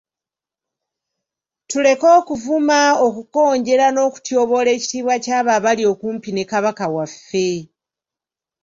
Tuleke okuvuma, okukonjera n'okutyoboola ekitiibwa ky'abo abali okumpi ne Kabaka waffe.